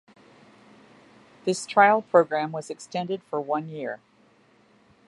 This trial program was extended for one year.